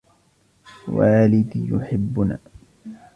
والدي يحبنا